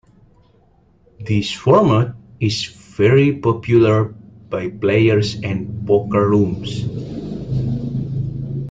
This format is very popular by players and poker rooms.